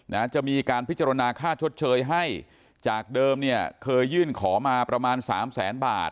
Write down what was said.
นะจะมีการพิจารณาค่าชดเชยให้จากเดิมเนี่ยเคยยื่นขอมาประมาณสามแสนบาท